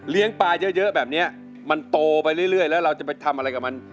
ปลาเยอะแบบนี้มันโตไปเรื่อยแล้วเราจะไปทำอะไรกับมัน